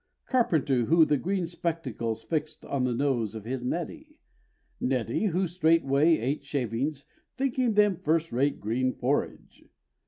Carpenter, who the green spectacles fixed on the nose of his neddy, Neddy, who straightway ate shavings, thinking them first rate green forage?